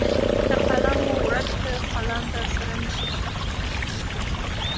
که قلم مو ورک کړ قلم درسره نشته .